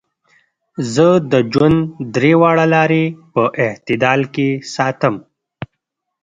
زۀ د ژوند درې واړه لارې پۀ اعتدال کښې ساتم -